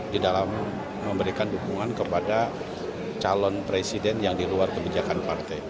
di dalam memberikan dukungan kepada calon presiden yang di luar kebijakan partai